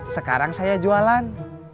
sekarang saya jualan